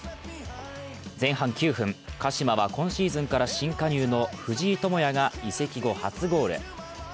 前半９分、鹿島は今シーズンから新加入の藤井智也が移籍後初ゴール。